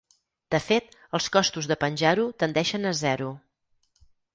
De fet, els costos de penjar-ho tendeixen a zero.